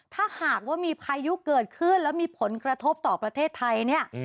ถ้าหากว่ามีพายุเกิดขึ้นแล้วมีผลกระทบต่อประเทศไทยเนี่ย